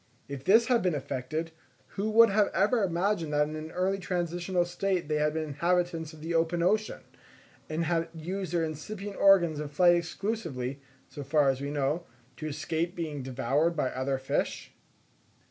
If this had been effected, who would have ever imagined that in an early transitional state they had been inhabitants of the open ocean, and had used their incipient organs of flight exclusively, so far as we know, to escape being devoured by other fish?